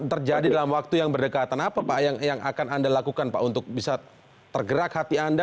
terjadi dalam waktu yang berdekatan apa pak yang akan anda lakukan pak untuk bisa tergerak hati anda